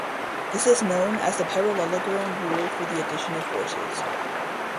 This is known as the parallelogram rule for the addition of forces.